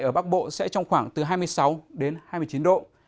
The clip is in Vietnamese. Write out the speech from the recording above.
ở bắc bộ sẽ trong khoảng từ hai mươi sáu đến hai mươi chín độ